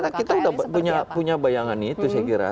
ya saya kira kita sudah punya bayangan itu saya kira